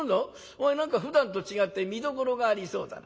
お前何かふだんと違って見どころがありそうだな。